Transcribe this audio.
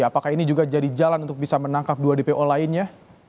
apakah ini juga jadi jalan untuk bisa menangkap dua dpo lainnya